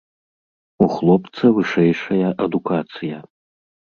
У хлопца вышэйшая адукацыя.